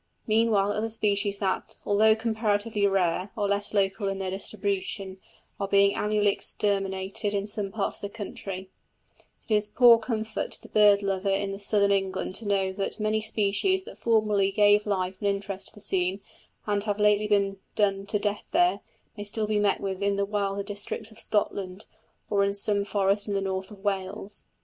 Meanwhile other species that, although comparatively rare, are less local in their distribution, are being annually exterminated in some parts of the country: it is poor comfort to the bird lover in southern England to know that many species that formerly gave life and interest to the scene, and have lately been done to death there, may still be met with in the wilder districts of Scotland, or in some forest in the north of Wales.